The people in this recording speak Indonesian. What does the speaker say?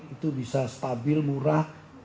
itu bisa stabil murah